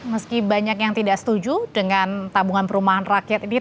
meski banyak yang tidak setuju dengan tabungan perumahan rakyat ini